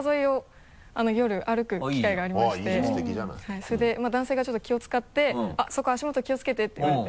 はいそれで男性がちょっと気を使って「あっそこ足元気をつけて」って言われて。